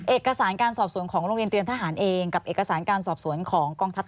เอกสารการสอบสวนของโรงเรียนเตรียมทหารเองกับเอกสารการสอบสวนของกองทัพ